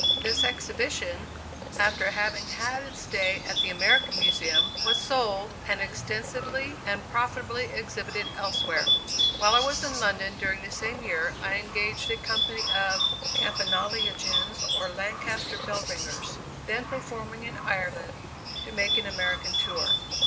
This exhibition, after having had its day at the American Museum, was sold, and extensively and profitably exhibited elsewhere. While I was in London, during the same year, I engaged a company of "Campanalogians, or Lancashire Bell Ringers," then performing in Ireland, to make an American tour.